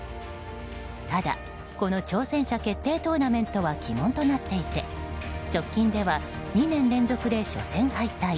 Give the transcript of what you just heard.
ただ、この挑戦者決定トーナメントは鬼門となっていて直近では２年連続で初戦敗退。